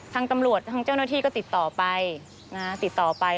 ทั้งตำรวจทั้งเจ้าหน้าที่ก็ติดต่อไป